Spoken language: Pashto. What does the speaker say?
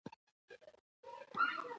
د جنت، جنت مرغېو